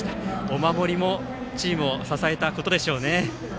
お守りもチームを支えたことでしょうね。